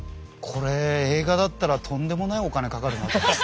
これ映画だったらとんでもないお金かかるなって。